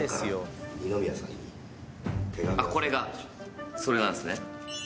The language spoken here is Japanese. あっこれがそれなんすね。